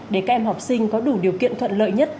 để các em học sinh có đủ điều kiện thuận lợi nhất